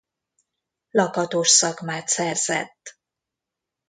Lakatos szakmát szerzett.